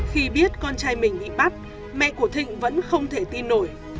khi biết con trai mình bị bắt mẹ của thịnh vẫn không thể tin nổi